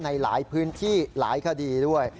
ในหลายพื้นที่หลายคดีด้วย